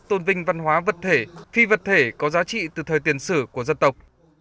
tôn vinh văn hóa vật thể phi vật thể có giá trị từ thời tiền sử của dân tộc